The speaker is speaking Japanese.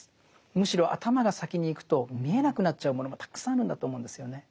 むしろ頭が先にいくと見えなくなっちゃうものもたくさんあるんだと思うんですよね。